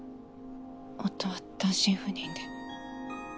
夫は単身赴任で。